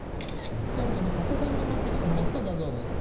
選者の笹さんに撮ってきてもらった画像です。